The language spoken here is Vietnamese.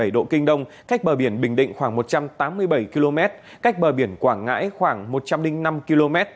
một trăm linh chín bảy độ kinh đông cách bờ biển bình định khoảng một trăm tám mươi bảy km cách bờ biển quảng ngãi khoảng một trăm linh năm km